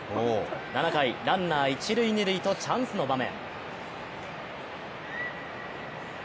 ７回、ランナー、一塁二塁とチャンスの場面。